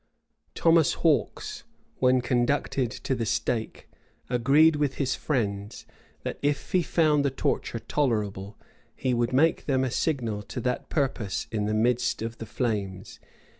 Thomas Haukes, when conducted to the stake, agreed with his friends, that, if he found the torture tolerable, he would make them a signal to that purpose in the midst of the flames.